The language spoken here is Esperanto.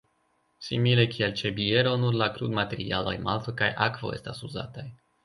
Simile kiel ĉe biero nur la krudmaterialoj malto kaj akvo estas uzataj.